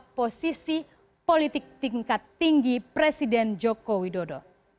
seperti apa posisi politik tingkat tinggi presiden joko widodo